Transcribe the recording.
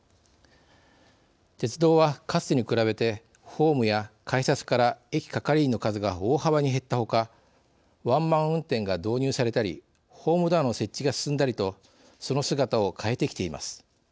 鉄道は、かつてに比べてホームや改札から駅係員の数が大幅に減ったほかワンマン運転が導入されたりホームドアの設置が進んだりとその姿を変えてきています。